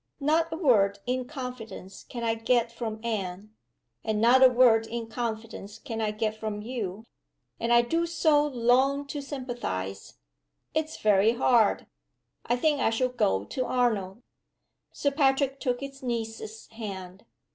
Not a word in confidence can I get from Anne. And not a word in confidence can I get from you. And I do so long to sympathize! It's very hard. I think I shall go to Arnold." Sir Patrick took his niece's hand.